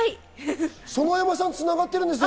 園山さんがつながってるんですよ。